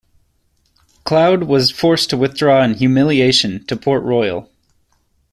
Claude was forced to withdraw in humiliation to Port Royal.